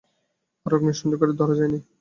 আর অগ্নিসংযোগকারীকে এখনো ধরা যায়নি।